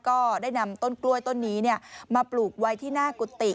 ก็ได้นำต้นกล้วยต้นนี้มาปลูกไว้ที่หน้ากุฏิ